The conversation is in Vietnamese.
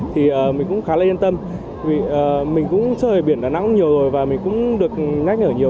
thì mình cũng khá là yên tâm vì mình cũng chơi ở biển đà nẵng nhiều rồi và mình cũng được nhắc nhở nhiều